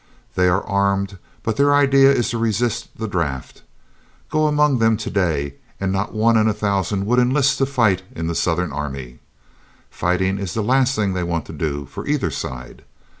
They are armed, but their idea is to resist the draft. Go among them to day, and not one in a thousand would enlist to fight in the Southern army. Fighting is the last thing they want to do for either side.